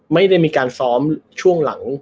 ไม่ได้มีการซ้อมช่วงหลัง